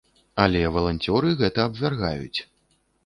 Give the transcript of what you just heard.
Але валанцёры гэта абвяргаюць.